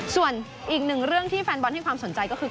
ส่วนอีกหนึ่งเรื่องที่แฟนบอลให้ความสนใจก็คือ